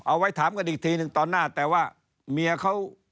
เอาไว้ถามกันอีกทีหนึ่งตอนหน้าแต่ว่าเมียเขา